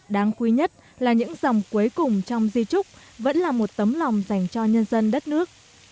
đáng quý nhất là những dòng cuối cùng trong di trúc vẫn là một tấm lòng dành cho nhân dân đất nước